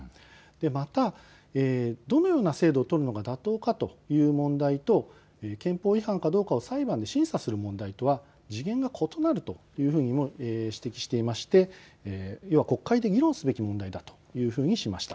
また、どのような制度を採るのが妥当かという問題と憲法違反かどうかを裁判で審査する問題とは次元が異なるというふうにも指摘していまして国会で議論すべき問題だというふうにしました。